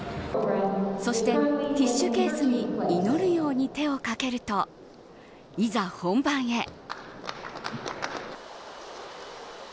そしてティッシュケースに、祈るように手をかけるといざ本番へ。